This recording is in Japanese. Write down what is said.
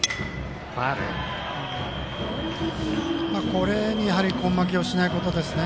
これにやはり根負けをしないことですね